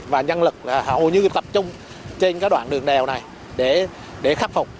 và nhân lực hầu như tập trung trên các đoạn đường đèo này để khắc phục